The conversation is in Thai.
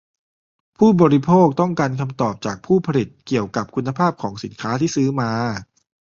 ผู้บริโภคต้องการคำตอบจากผู้ผลิตเกี่ยวกับคุณภาพของสินค้าที่ซื้อมา